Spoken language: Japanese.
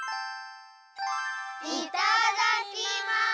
いただきます！